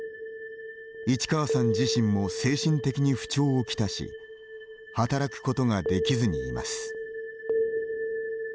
市川さん自身も精神的に不調をきたし働くことができずにいます。